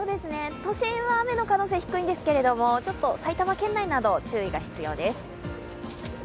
都心は雨の可能性が低いんですけども、埼玉県内など注意が必要です。